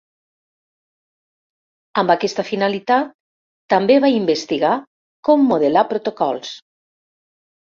Amb aquesta finalitat, també va investigar com modelar protocols.